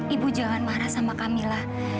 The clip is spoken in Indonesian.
ibu jangan marah sama kamila